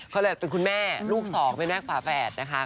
เขาเลยเป็นคุณแม่ลูกสองเป็นแม่ฝาแฝดนะคะ